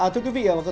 thưa quý vị